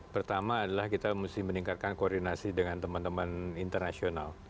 pertama adalah kita mesti meningkatkan koordinasi dengan teman teman internasional